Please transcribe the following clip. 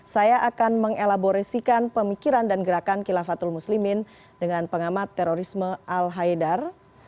saya akan mengelaborasikan pemikiran dan gerakan kilafatul muslimin dengan pengamat terorisme al haidar